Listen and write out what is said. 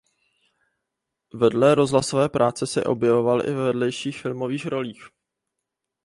Vedle rozhlasové práce se objevoval i ve vedlejších filmových rolích.